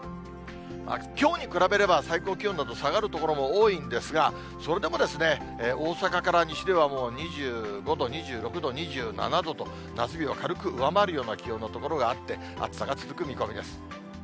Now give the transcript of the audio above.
きょうに比べれば、最高気温など下がる所も多いんですが、それでも大阪から西ではもう２５度、２６度、２７度と、夏日を軽く上回るような気温の所があって、暑さが続く見込みです。